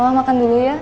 mama makan dulu ya